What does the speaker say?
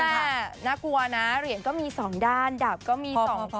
อย่างนี้แหละน่ากลัวนะเหรียญก็มี๒ด้านดาบก็มี๒โค้ง